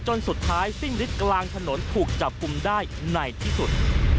จนสุดท้ายสิ้นฤทธิ์กลางถนนถูกจับกลุ่มได้ในที่สุด